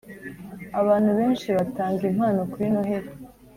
Abantu benshi batanga impano kuri Noheli